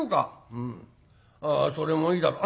「うんあそれもいいだろう」。